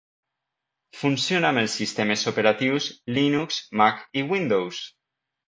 Funciona amb els sistemes operatius Linux, Mac i Windows.